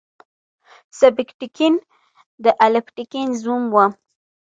سبکتګین د الپتکین زوم و.